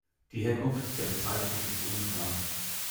Die Herkunft der Bezeichnung ist unklar.